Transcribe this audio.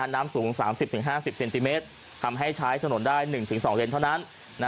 น้ำสูง๓๐๕๐เซนติเมตรทำให้ใช้ถนนได้๑๒เลนเท่านั้น